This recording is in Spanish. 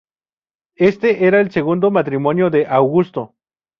Este era el segundo matrimonio de Augusto.